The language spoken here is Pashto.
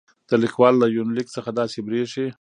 د ليکوال له يونليک څخه داسې برېښي